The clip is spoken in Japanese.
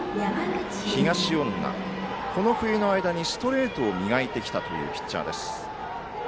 東恩納、この冬の間にストレートを磨いてきたというピッチャーです。